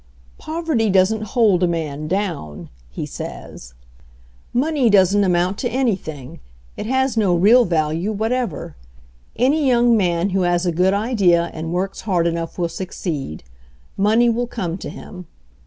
"Poverty doesn't hold a man down," he says. 141 142 HENRY FORD'S OWN STORY "Money doesn't amount to anything — it has no real value whatever. Any young man who has a good idea and works hard enough will succeed ; money will come to him.